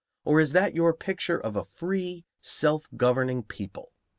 Or is that your picture of a free, self governing people?